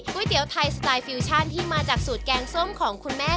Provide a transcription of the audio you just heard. เตี๋ยวไทยสไตล์ฟิวชั่นที่มาจากสูตรแกงส้มของคุณแม่